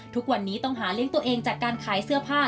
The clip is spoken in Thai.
ทุกวันนี้ต้องหาเลี้ยงตัวเองจากการขายเสื้อผ้า